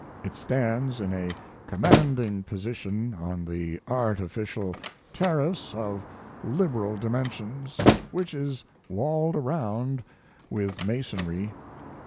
It stands in a commanding position on the artificial terrace of liberal dimensions, which is walled around with masonry.